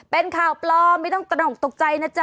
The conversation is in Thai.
เป็นข่าวปลอมไม่ต้องตกใจนะจ้ะ